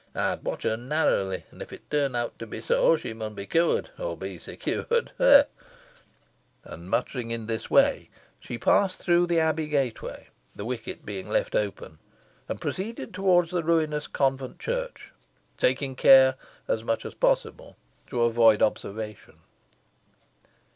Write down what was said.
Ey'n watch her narrowly, an if it turn out to be so, she mun be cured, or be secured ha! ha!" And muttering in this way, she passed through the Abbey gateway, the wicket being left open, and proceeded towards the ruinous convent church, taking care as much as possible to avoid observation.